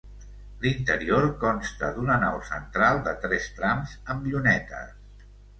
L'interior consta d'una nau central de tres trams amb llunetes.